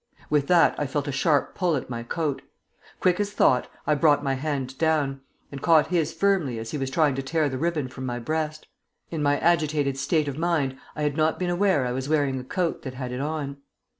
With that I felt a sharp pull at my coat. Quick as thought, I brought my hand down, and caught his firmly as he was trying to tear the ribbon from my breast. In my agitated state of mind I had not been aware I was wearing a coat that had it on.